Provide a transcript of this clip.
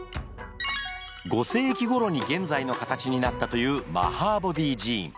５世紀ごろに現在の形になったというマハーボディー寺院。